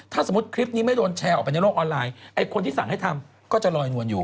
ถ้าสมมุติคลิปนี้ไม่โดนแชร์ออกไปในโลกออนไลน์ไอ้คนที่สั่งให้ทำก็จะลอยนวลอยู่